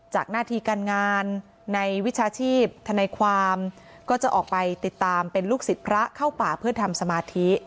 หน้าที่การงานในวิชาชีพธนายความก็จะออกไปติดตามเป็นลูกศิษย์พระเข้าป่าเพื่อทำสมาธิ